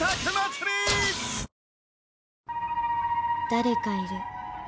［誰かいる。